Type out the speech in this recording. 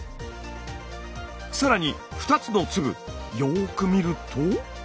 更に２つの粒よく見ると。